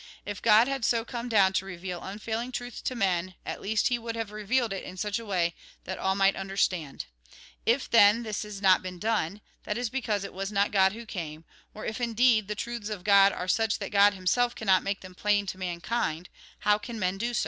If God had so come down to reveal unfailing truth to men, at least Ho would have revealed it in such a way that all might understand ; if, then, this has not been done, that is because it was not God who came ; or if, indeed, the truths of God are such that God Himself cannot make them plain to mankind, how can men do so